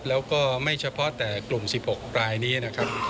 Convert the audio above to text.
แล้วก็ไม่เฉพาะแต่กลุ่ม๑๖รายนี้นะครับ